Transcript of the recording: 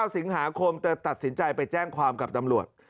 สิงหาคมจะตัดสินใจไปแจ้งความกับตำรวจ